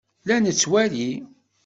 La nettwali.